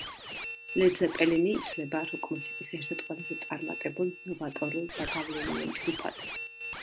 ლედ ზეპელინი ითვლება როკ-მუსიკის ერთ-ერთ ყველაზე წარმატებულ, ნოვატორულ და გავლენიან ჯგუფად.